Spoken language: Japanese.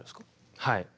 はい。